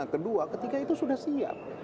lerah kedua ketiga itu sudah siap